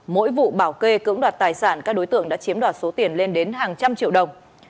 mỗi vụ bảo kê cưỡng đoạt tài sản các đối tượng đã chiếm đoạt số tiền lên đến hàng trăm triệu đồng